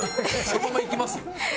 「そのままいきます？」